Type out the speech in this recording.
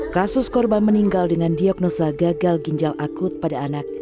kasus korban meninggal dengan diagnosa gagal ginjal akut pada anak